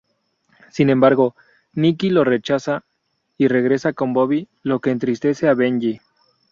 Sin embargo, Nikki lo rechaza y regresa con Bobby, lo que entristece a Benji.